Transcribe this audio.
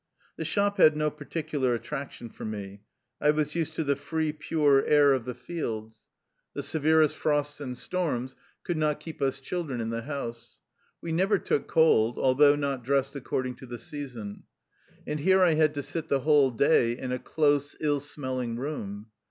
The shop had no particular attraction for me. I was used to the free, pure air of the fields. 20 THE LIFE STORY OF A RUSSIAN EXILE The severest frosts and storms could not keep us children in the house. We never took cold, although not dressed according to the season. And here I had to sit the whole day in a close, ill smelling room.